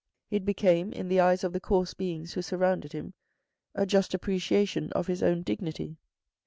It became, in the eyes of the coarse beings who surrounded him, a just appreciation of his own dignity.